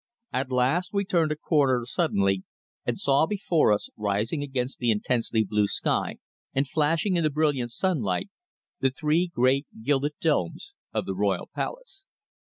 At last we turned a corner suddenly, and saw before us, rising against the intensely blue sky and flashing in the brilliant sunlight, the three great gilded domes of the royal palace.